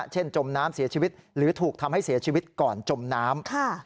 จมน้ำเสียชีวิตหรือถูกทำให้เสียชีวิตก่อนจมน้ำ